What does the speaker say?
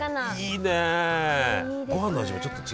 いいね。